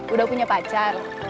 udah punya pacar